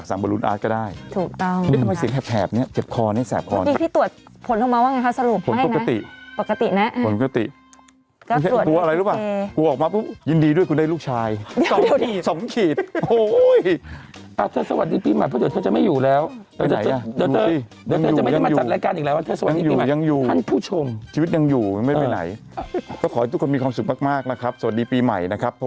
สภาพต้องใช้คำว่าสภาพ